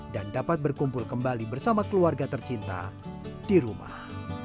dan dapat berkumpul kembali bersama keluarga tercinta di rumah